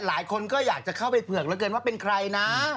หลายคนก็อยากจะเข้าไปเผือกเหลือเกินว่าเป็นใครนะ